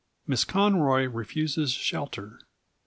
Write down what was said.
Miss Conroy Refuses Shelter.